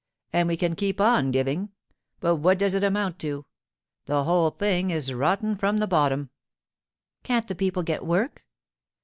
And we can keep on giving, but what does it amount to? The whole thing is rotten from the bottom.' 'Can't the people get work?